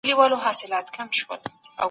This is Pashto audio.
ولي بايد ښه تخلص غوره کو؟